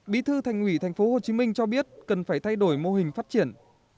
bí thư thành ủy thành phố hồ chí minh cho biết cần phải thay đổi mô hình phát triển